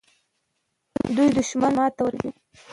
دوی به دښمن ته ماتې ورکړي.